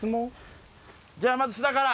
じゃあまず菅田から。